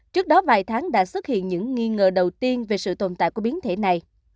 trước đó vài tháng đã xuất hiện những nghi ngờ đầu tiên về sự tồn tại của biến thể này